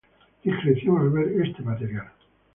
discreción al ver este material